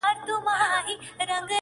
بدل کړيدی.